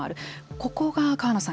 ここが川名さん